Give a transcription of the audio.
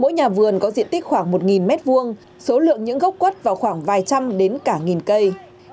nhà vườn có diện tích khoảng một m hai số lượng những gốc quất vào khoảng vài trăm đến cả nghìn cây